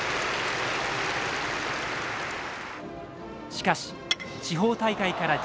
しかし地方大会から１０試合